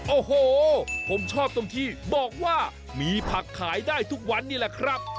โอ้โหผมชอบตรงที่บอกว่ามีผักขายได้ทุกวันนี่แหละครับ